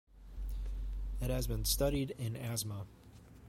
It has been studied in asthma.